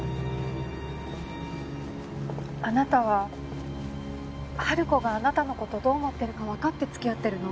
あなたは春子があなたの事どう思ってるかわかって付き合ってるの？